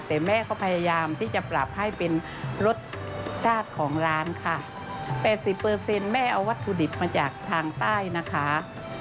แต่แม่ก็พยายามที่จะปรับให้เป็นรสชาติของร้านค่ะ๘๐แม่เอาวัตถุดิบมาจากทางใต้นะคะ